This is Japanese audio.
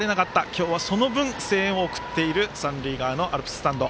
今日はその分、声援を送っている三塁側のアルプススタンド。